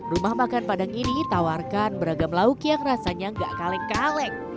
rumah makan padang ini tawarkan beragam lauk yang rasanya gak kaleng kaleng